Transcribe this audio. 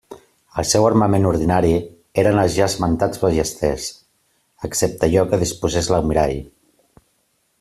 El seu armament ordinari eren els ja esmentats ballesters, excepte allò que disposés l'almirall.